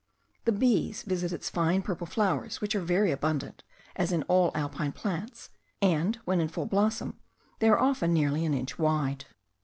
The bees visit its fine purple flowers, which are very abundant, as in all the alpine plants, and, when in full blossom, they are often nearly an inch wide.